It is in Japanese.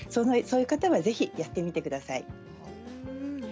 そういった方はぜひやってみてください。